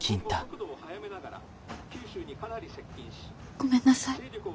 ごめんなさい。